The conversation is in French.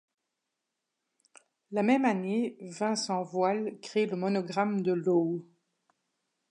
La même année, Vincent Voile crée le monogramme de Loewe.